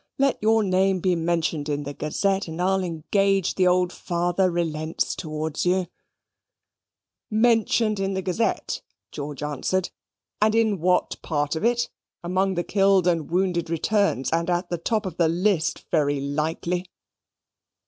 Let your name be mentioned in the Gazette, and I'll engage the old father relents towards you:" "Mentioned in the Gazette!" George answered. "And in what part of it? Among the killed and wounded returns, and at the top of the list, very likely."